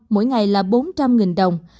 mỗi ngày là bốn trăm linh đồng